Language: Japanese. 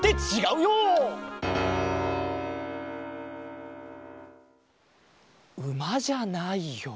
うまじゃないよ。